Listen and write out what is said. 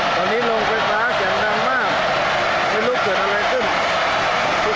ตอนนี้ลงไฟฟ้าแข็งดังมากไม่รู้เกิดอะไรขึ้นทุกคนมิ่งออกมา